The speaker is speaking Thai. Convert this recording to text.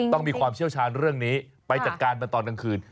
ต้องมีความเชี่ยวชาญเรื่องนี้ไปจัดการมาตอนกลางคืน